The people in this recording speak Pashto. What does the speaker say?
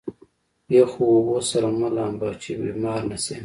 يخو اوبو سره مه لامبه چې بيمار نه شې.